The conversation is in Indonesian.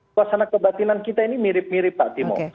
suasana kebatinan kita ini mirip mirip pak timo